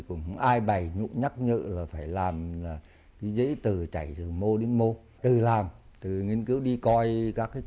cũng ai bày nhộn nhắc nhở là phải làm dễ từ chạy từ mô đến mô từ làm từ nghiên cứu đi coi các cái